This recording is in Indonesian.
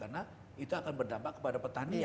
karena itu akan berdampak kepada petani